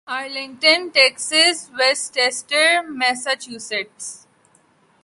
Arlington Texas Westchester Massachusetts